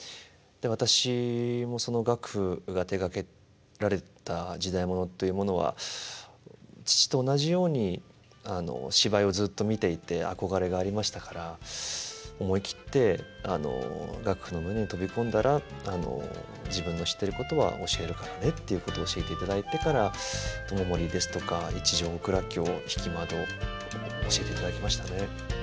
で私もその岳父が手がけられた時代物というものは父と同じように芝居をずっと見ていて憧れがありましたから思い切って岳父の胸に飛び込んだら「自分の知ってることは教えるからね」っていうことを教えていただいてから「知盛」ですとか「一条大蔵卿」「引窓」教えていただきましたね。